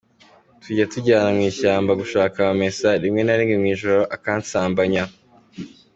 Tujya tujyana mu ishyamba gushaka amamesa, rimwe na rimwe mu ijoro akansambanya”.